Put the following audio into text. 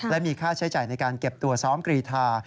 และมีค่าใช้จ่ายในการเก็บตัวซ้อมกรีธา